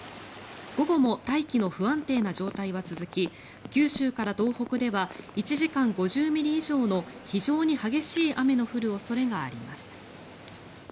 午後も大気の不安定な状態は続き九州から東北では１時間５０ミリ以上の非常に激しい雨の降る恐れがあります。